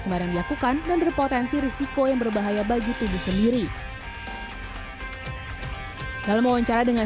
sembarang dilakukan dan berpotensi risiko yang berbahaya bagi tubuh sendiri dalam wawancara dengan